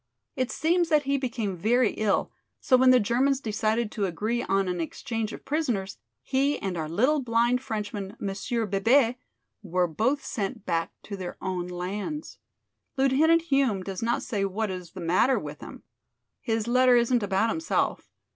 It seems that he became very ill, so when the Germans decided to agree on an exchange of prisoners, he and our little blind Frenchman, Monsieur Bebé, were both sent back to their own lands. Lieutenant Hume does not say what is the matter with him. His letter isn't about himself.